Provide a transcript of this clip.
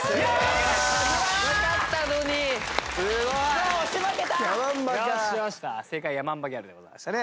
さあ正解ヤマンバギャルでございましたね。